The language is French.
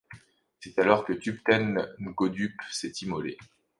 C'est alors que Thubten Ngodup s'est immolé.